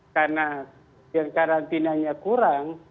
karena yang karantinanya kurang